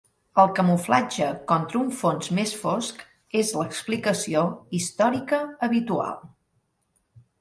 El camuflatge contra un fons més fosc és l'explicació històrica habitual.